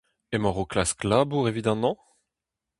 Emaoc'h o klask labour evit an hañv ?